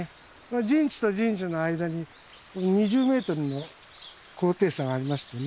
陣地と陣地の間に２０ｍの高低差がありましてね。